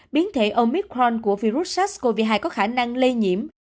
biến thể omicron của virus sars cov hai có khả năng lây nhiễm